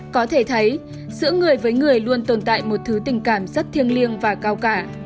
có thể thấy giữa người với người luôn tồn tại một thứ tình cảm rất thiêng liêng và cao cả